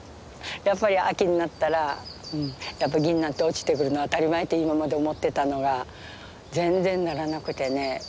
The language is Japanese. やっぱり秋になったらギンナンって落ちてくるの当たり前って今まで思ってたのが全然ならなくてね。